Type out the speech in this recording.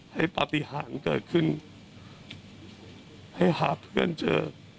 ให้ปฏิหารเกิดขึ้นให้หากเกินเจอ